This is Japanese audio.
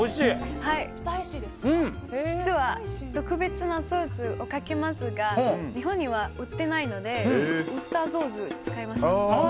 実は特別なソースをかけますが日本には売ってないのでウスターソースを使いました。